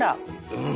うん！